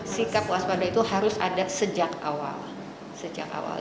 sikap waspada itu harus ada sejak awal